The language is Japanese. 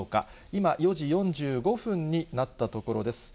今、４時４５分になったところです。